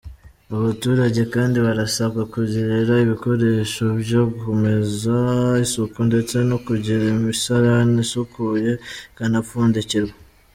Abaturage kandi barasabwa kugirira ibikoresho byo kumeza isuku ndetse no kugira imisirani isukuye ikanapfundikirwa.